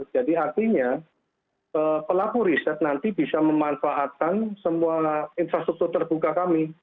jadi artinya pelaku riset nanti bisa memanfaatkan semua infrastruktur terbuka kami